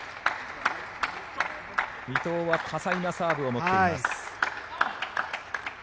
伊藤は多彩なサーブを持っています。